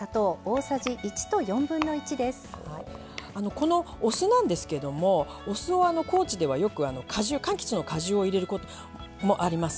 このお酢なんですけどもお酢を高知ではよくかんきつの果汁を入れることもあります。